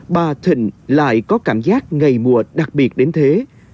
bà thịnh lại có cảm giác ngày mùa đặc biệt đến thế